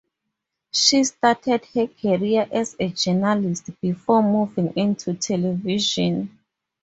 She started her career as a journalist before moving into television.